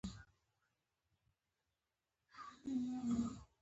د اوسپنې پټلۍ اداره ریل ګاډي اداره کوي